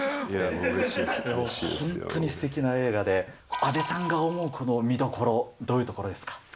いや、本当にすてきな映画で、阿部さんが思う見どころ、どういうところですか。